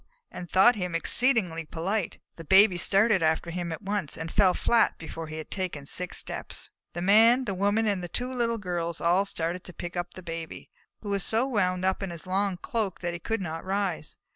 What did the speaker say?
and thought him exceedingly polite. The Baby started after him at once, and fell flat before he had taken six steps. [Illustration: "COCK A DOODLE DOO!" SAID THE YOUNG COCK. Page 26] The Man, the Woman, and the two Little Girls all started to pick up the Baby, who was so wound up in his long cloak that he could not rise.